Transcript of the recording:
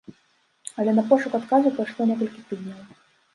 Але на пошук адказу пайшло некалькі тыдняў.